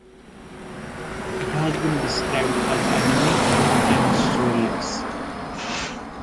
It has been described as "anaemic" and "soulless".